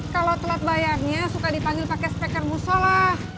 kalau telat bayarnya suka dipanggil pakai spekermusola